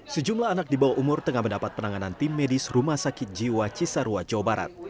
sejumlah anak di bawah umur tengah mendapat penanganan tim medis rumah sakit jiwa cisarwa jawa barat